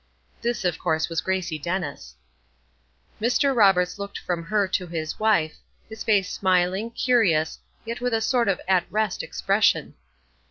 This, of course, was Gracie Dennis. Mr. Roberts looked from her to his wife, his face smiling, curious, yet with a sort of at rest expression.